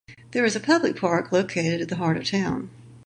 There is a public park located in the heart of town.